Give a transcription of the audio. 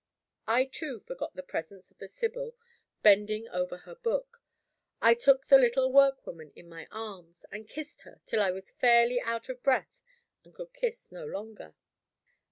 I too forgot the presence of the Sibyl bending over her book. I took the little workwoman in my arms, and kissed her till I was fairly out of breath and could kiss no longer.